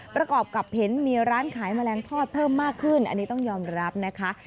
ประกอบกับเห็นมีร้านขายแมลงทอดเพิ่มมากขึ้นอันนี้ต้องยอมรับนะคะ